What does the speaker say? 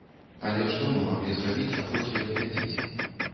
Але што мы маглі зрабіць, апроч як глядзець?